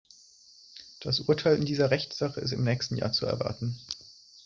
Das Urteil in dieser Rechtssache ist im nächsten Jahr zu erwarten.